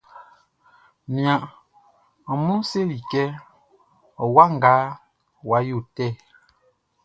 Nian ɔ mlu selikɛ, o wa nga wa yotɛ.